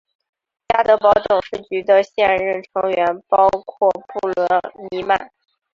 家得宝董事局的现任成员包括布伦尼曼。